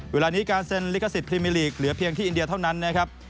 เวลานี้การเซ็นลิขสิทธิพรีมิลีกเหลือเพียงที่อินเดียเท่านั้นนะครับ